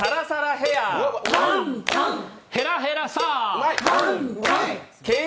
ヘラヘラサアー。